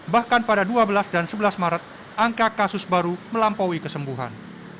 bahkan pada dua belas dan sebelas maret angka kasus baru melampaui kesembuhan